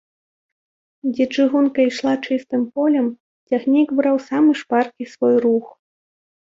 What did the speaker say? Дзе чыгунка ішла чыстым полем, цягнік браў самы шпаркі свой рух.